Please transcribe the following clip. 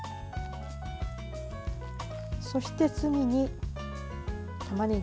そして、すぐにたまねぎ。